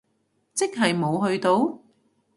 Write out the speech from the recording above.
即係冇去到？